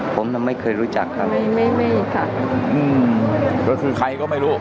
ผมก็ไม่เคยรู้จักครับไม่ค่ะอืมแล้วคือใครก็ไม่รู้